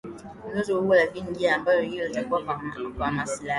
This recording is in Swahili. mzozo huo Lakini jee jambo hilo litakuwa ni kwa maslahi